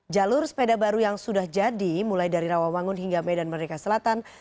jalur sepeda baru yang sudah jadi mulai dari rawamangun hingga medan merdeka selatan